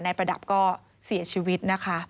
ประดับก็เสียชีวิตนะคะ